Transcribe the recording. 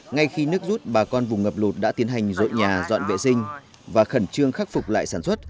ngay khi nước rút bà con vùng ngập lột đã tiến hành rội nhà dọn vệ sinh và khẩn trương khắc phục lại sản xuất